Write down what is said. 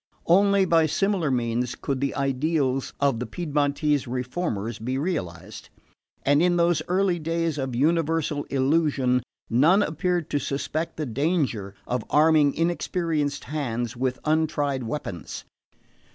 Only by similar means could the ideals of the Piedmontese reformers be realised; and in those early days of universal illusion none appeared to suspect the danger of arming inexperienced hands with untried weapons.